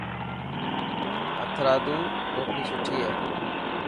هٿرادو ٽوپي سٺي هي.